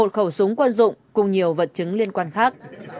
một khẩu súng quân dụng cùng nhiều vật chứng liên quan khác